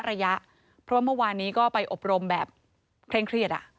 เพราะว่าเมื่อวานนี้ก็ไปอบรมแบบเคร่งเครียดอ่ะ